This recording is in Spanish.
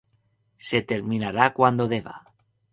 Se terminará cuando deba.